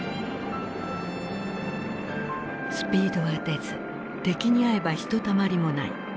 スピードは出ず敵にあえばひとたまりもない。